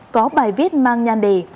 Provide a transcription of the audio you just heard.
có bài viết mang nhanh đề